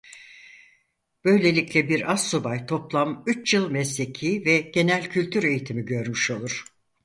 Böylelikle bir astsubay toplam üç yıl mesleki ve genel kültür eğitimi görmüş olur.